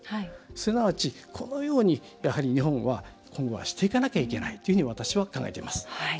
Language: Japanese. すなわち、このように日本は今後はしていかなきゃいけないというふうに私は考えています。